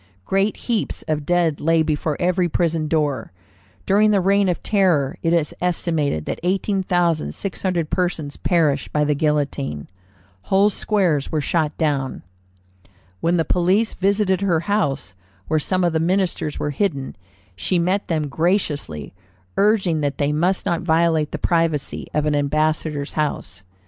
Great heaps of dead lay before every prison door. During that Reign of Terror it is estimated that eighteen thousand six hundred persons perished by the guillotine. Whole squares were shot down. "When the police visited her house, where some of the ministers were hidden, she met them graciously, urging that they must not violate the privacy of an ambassador's house.